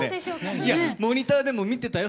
いやモニターでも見てたよ